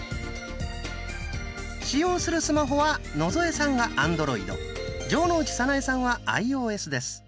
使用するスマホは野添さんがアンドロイド城之内早苗さんはアイオーエスです。